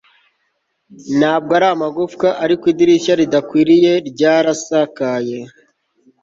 Ntabwo ari amagufwa ariko idirishya ridakwiriye ryarasakaye